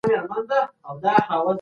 ملګري مي وویل چي ده نوي کالي واخیستل.